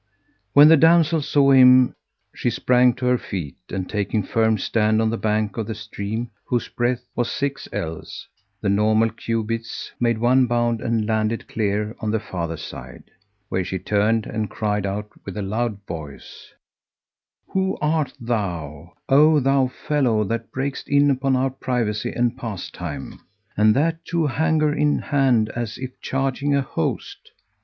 When the damsel saw him she sprang to her feet and, taking firm stand on the bank of the stream, whose breadth was six ells, the normal cubits, made one bound and landed clear on the farther side,[FN#169] where she turned and cried out with a loud voice, "Who art thou, O thou fellow, that breakest in upon our privacy and pastime, and that too hanger in hand as if charging a host?